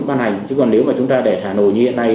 ban hành chứ còn nếu mà chúng ta để hà nội như hiện nay